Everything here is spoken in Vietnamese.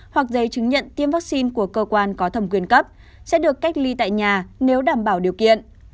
hoặc giấy chứng nhận tiêm vaccine của cơ quan có thẩm quyền cấp sẽ được cách ly tại nhà nếu đảm bảo điều kiện